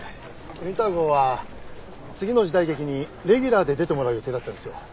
ウィンター号は次の時代劇にレギュラーで出てもらう予定だったんですよ。